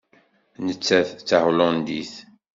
Nettat d Tahulandit.